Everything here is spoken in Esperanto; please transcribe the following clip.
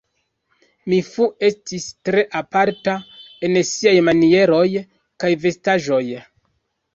Mi Fu estis tre aparta en siaj manieroj kaj vestaĵoj.